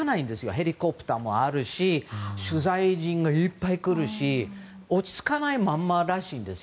ヘリコプターもあるし取材陣がいっぱい来るし落ち着かないままらしいんです。